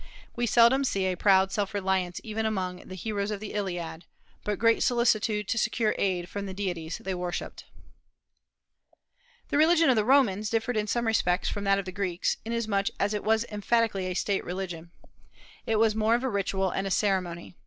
We seldom see a proud self reliance even among the heroes of the Iliad, but great solicitude to secure aid from the deities they worshipped. The religion of the Romans differed in some respects from that of the Greeks, inasmuch as it was emphatically a state religion. It was more of a ritual and a ceremony.